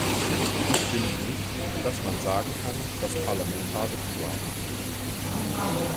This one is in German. Ich finde nicht, dass man sagen kann, das Parlament habe geschlafen.